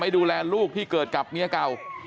ดูแลลูกที่เกิดกับเมียเก่า